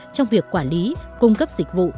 trong việc quản lý cung cấp dịch vụ